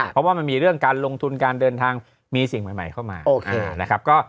เพราะว่ามันมีเรื่องการลงทุนการเดินทางมีสิ่งใหม่เข้ามานะครับ